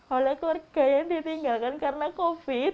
dan warga warga yang sudah ditinggalkan karena covid sembilan belas